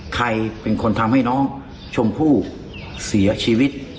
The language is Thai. ใครเป็นคนทำให้น้องชมพู่เสียชีวิต